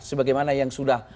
sebagaimana yang sudah